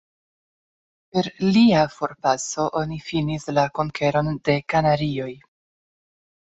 Per lia forpaso, oni finis la Konkeron de Kanarioj.